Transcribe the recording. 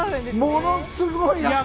ものすごい。